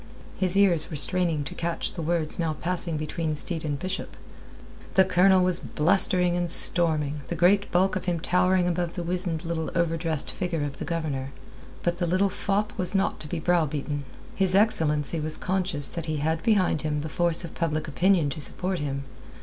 His ears were straining to catch the words now passing between Steed and Bishop. The Colonel was blustering and storming, the great bulk of him towering above the wizened little overdressed figure of the Governor. But the little fop was not to be browbeaten. His excellency was conscious that he had behind him the force of public opinion to support him.